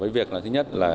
với việc thứ nhất là